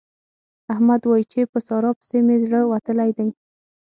احمد وايي چې په سارا پسې مې زړه وتلی دی.